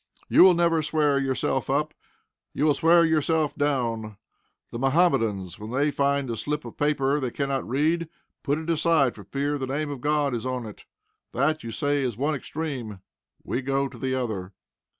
You will never swear yourself up. You will swear yourself down. The Mohammedans, when they find a slip of paper they cannot read, put it aside, for fear the name of God is on it. That, you say, is one extreme. We go to the other.